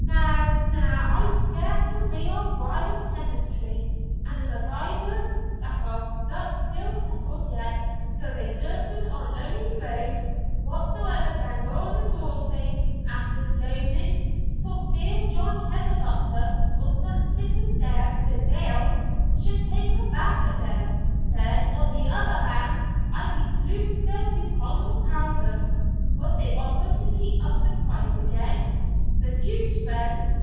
Na, na; I scared them wi' our wild tenantry, and the Mac Ivors, that are but ill settled yet, till they durstna on ony errand whatsoever gang ower the doorstane after gloaming, for fear John Heatherblutter, or some siccan dare the deil, should tak a baff at them; then, on the other hand, I beflummed them wi' Colonel Talbot; wad they offer to keep up the price again' the Duke's friend?